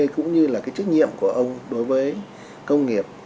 cũng như là cái trách nhiệm của ông đối với công nghiệp